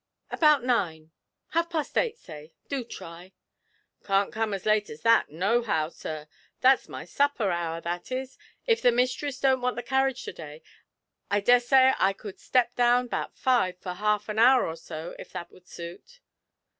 'About nine half past eight, say. Do try.' 'Can't come as late as that, nohow, sir. That's my supper hour, that is. If the mistress don't want the carriage to day, I dessay I could step down 'bout five for half an hour or so, if that would suit.'